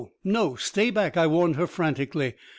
No! Stay back!" I warned her frantically.